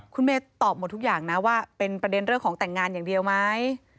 คุณเมย์ตอบหมดทุกอย่างนะว่าเป็นประเด็นเรื่องของแต่งงานอย่างเดียวไหม